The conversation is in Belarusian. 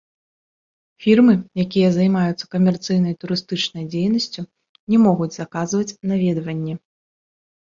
Фірмы, якія займаюцца камерцыйнай турыстычнай дзейнасцю, не могуць заказваць наведванне.